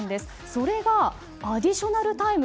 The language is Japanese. それが、アディショナルタイム。